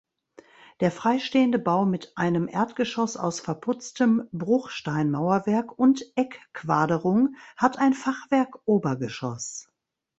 Der freistehende Bau mit einem Erdgeschoss aus verputztem Bruchsteinmauerwerk und Eckquaderung hat ein Fachwerkobergeschoss.